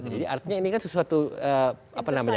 jadi artinya ini kan sesuatu apa namanya